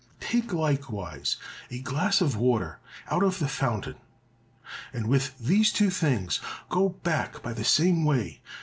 Take likewise a glass of water out of the fountain, and with these two things go back by the same way.